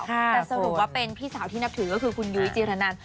แต่สรุปว่าเป็นพี่สาวที่นับถือก็คือคุณยุ้ยจีรนัน